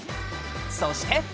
そして。